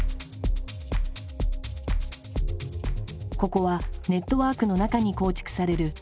ここはネットワークの中に構築される